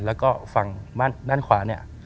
แล้วก็ฝั่งด้านขวาเนี่ย